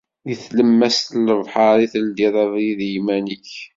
Di tlemmast n lebḥer i teldiḍ abrid i yiman-ik.